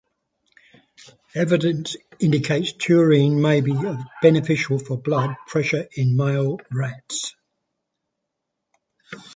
Evidence indicates taurine may be beneficial for blood pressure in male rats.